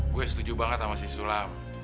gua setuju banget sama sisulam